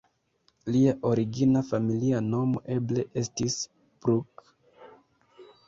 Lia origina familia nomo eble estis "Bruck"?